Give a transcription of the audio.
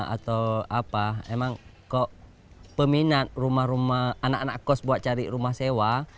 atau apa emang kok peminat rumah rumah anak anak kos buat cari rumah sewa